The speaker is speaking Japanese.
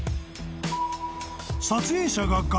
［撮影者が］何？